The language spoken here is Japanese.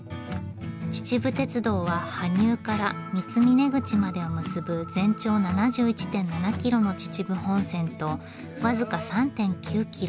秩父鉄道は羽生から三峰口までを結ぶ全長７１．７キロの秩父本線と僅か３．９キロ